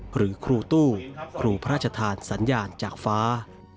หรือครูตู้ครูพระราชทานสัญญาณจากฟ้า